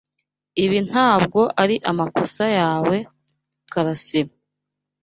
Ibi ntabwo ari amakosa yawe, Karasira.